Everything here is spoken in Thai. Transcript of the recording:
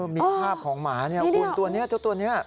มีภาพของหมาเนี่ยคุณตัวนี้เจ้าตัวนี้